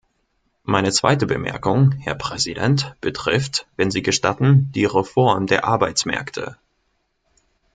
Meine zweite Bemerkung, Herr Präsident, betrifft, wenn Sie gestatten, die Reform der Arbeitsmärkte.